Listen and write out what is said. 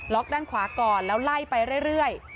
ด้านขวาก่อนแล้วไล่ไปเรื่อย